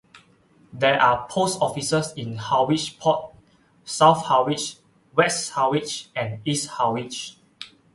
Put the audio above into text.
There are post offices in Harwich Port, South Harwich, West Harwich, and East Harwich.